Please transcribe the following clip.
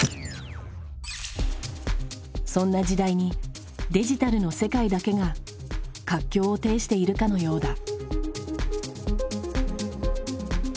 そんな時代にデジタルの世界だけが活況を呈しているかのようだ。